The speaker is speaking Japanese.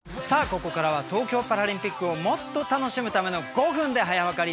ここからは東京パラリンピックをもっと楽しむための「５分で早わかり」